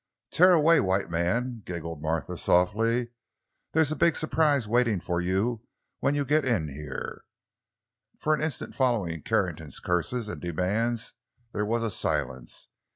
"Tear away, white man!" giggled Martha softly. "They's a big 'sprise waitin' you when you git in heah!" For an instant following Carrington's curses and demands there was a silence.